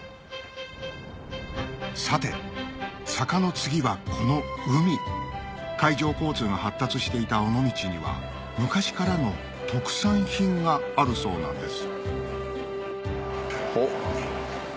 さて坂の次はこの海海上交通が発達していた尾道には昔からの特産品があるそうなんですおっ。